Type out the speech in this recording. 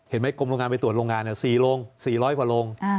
เห็นไหมกรมโรงงานไปตรวจโรงงานสี่ลงสี่ร้อยกว่าลง